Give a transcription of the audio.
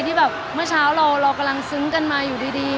ที่แบบเมื่อเช้าเรากำลังซึ้งกันมาอยู่ดี